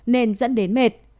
nên dẫn đến mệt